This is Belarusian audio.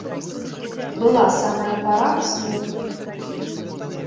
Была самая пара сну.